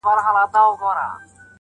زما په ږغ به د سرو ګلو غنچي وا سي,